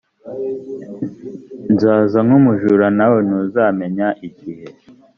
nzaza nk umujura nawe ntuzamenya igihe